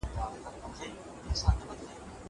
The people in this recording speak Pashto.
زه هره ورځ ونې ته اوبه ورکوم!